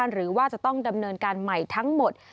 หรือว่าจะต้องดำเนินการใหม่ทั้งหมด